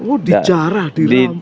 oh dijarah di bangkok